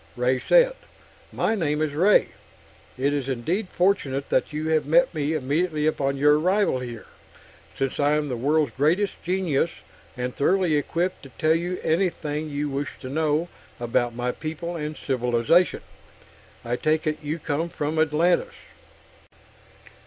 Ray said: "My name is Ray. It is indeed fortunate that you have met me immediately upon your arrival here, since I am the world's greatest genius, and thoroughly equipped to tell you anything you wish to know about my people and civilization. I take it you come from Atlantis?"